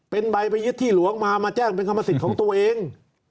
เป็นใบไปยึดที่หลวงมามาแจ้งเป็นกรรมสิทธิ์ของตัวเอง